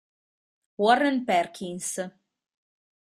Warren Perkins